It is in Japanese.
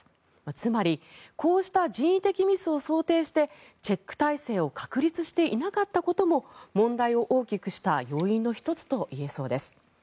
つまりこうした人為的ミスを想定してチェック体制を確立していなかったことも問題を大きくした要因の１つといえそうです。